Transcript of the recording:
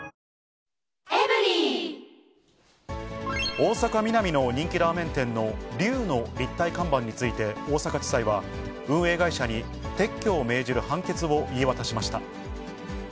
大阪・ミナミの人気ラーメン店の龍の立体看板について、大阪地裁は、運営会社に撤去を命じる判決を言い渡しました。